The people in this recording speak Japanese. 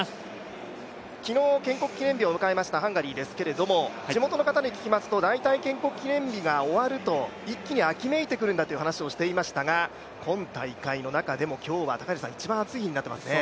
昨日、建国記念日を迎えましたハンガリーですけど地元の方に聞きますと大体建国記念日が終わると一気に秋めいてくるんだと話していましたが今大会の中でも今日は一番暑い日になっていますね。